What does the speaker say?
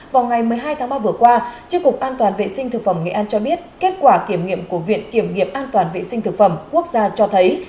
vào ngày một mươi hai tháng ba vừa qua tri cục an toàn vệ sinh thực phẩm nghệ an cho biết kết quả kiểm nghiệm của viện kiểm nghiệm an toàn vệ sinh thực phẩm quốc gia cho thấy